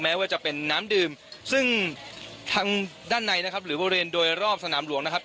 ว่าจะเป็นน้ำดื่มซึ่งทางด้านในนะครับหรือบริเวณโดยรอบสนามหลวงนะครับ